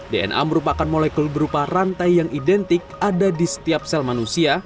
dna merupakan molekul berupa rantai yang identik ada di setiap sel manusia